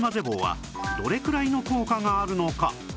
棒はどれくらいの効果があるのか？